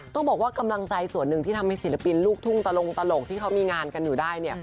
ต้องบอกว่ากำลังใจส่วนหนึ่งที่ทำให้ศิลปินลูกทุ่งตลงตลกที่เขามีงานกันอยู่ได้เนี่ย